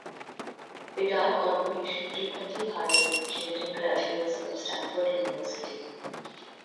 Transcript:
Vidar Corporation frequently hired engineering graduates from Stanford University.